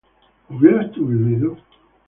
¿hubieras tú vivido?